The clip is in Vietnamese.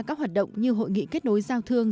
các hoạt động như hội nghị kết nối giao thương